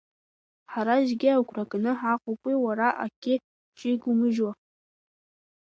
Ҳара зегьы агәра ганы ҳаҟоуп уи уара акгьы шигумыжьуа.